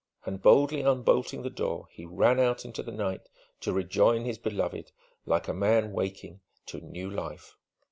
And boldly unbolting the door, he ran out into the night, to rejoin his beloved, like a man waking to new life.